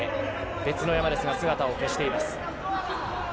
別の山ですが姿を消しています。